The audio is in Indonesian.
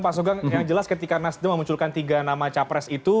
pak sogang yang jelas ketika mas dem memunculkan tiga nama capres itu